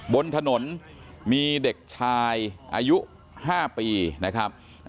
บนถนนมีเด็กชายอายุ๕ปีนะครับ